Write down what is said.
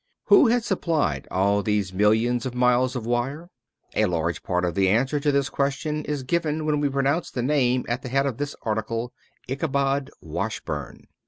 Who has supplied all these millions of miles of wire? A large part of the answer to this question is given when we pronounce the name at the head of this article, Ichabod Washburn.